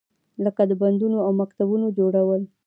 لکه د بندونو او مکتبونو جوړول.